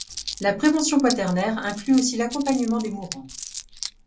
La prévention quaternaire inclut aussi l'accompagnement des mourants.